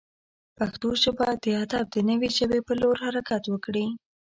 پښتو ژبه د ادب د نوې ژبې پر لور حرکت وکړي.